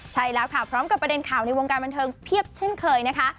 ใช่แล้วค่ะพร้อมกับประเด็นข่าวในวงการบันเทิงเพียบเช่นเคยนะคะ